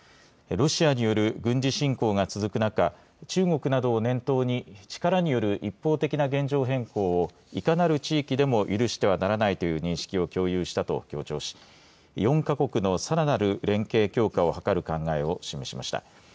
ロシアによる軍事侵攻が続く中、中国などを念頭に、力による一方的な現状変更をいかなる地域でも許してはならないという認識を共有したと強調し、４か国のさらなる連携強化を図る考えを示しました。